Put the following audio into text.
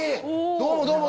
どうも、どうも。